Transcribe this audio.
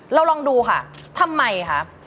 ลองดูค่ะทำไมคะ